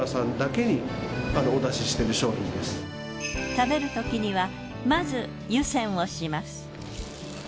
食べるときにはまず湯煎をします。